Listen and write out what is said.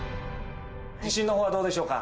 自信のほうはどうでしょうか？